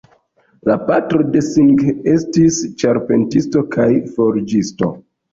La patro de Singh estis ĉarpentisto kaj forĝisto.